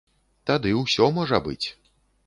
Тады ўсё можа быць.